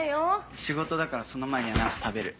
仕事だからその前には何か食べる。